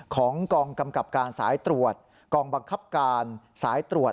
ของกองกำกับการสายตรวจกองบังคับการสายตรวจ